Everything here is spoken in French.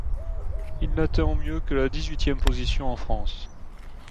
Il n'atteint au mieux que la dix-huitième position en France.